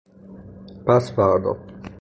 پسفردا